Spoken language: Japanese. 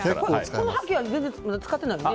このはけは全然使ってないよね？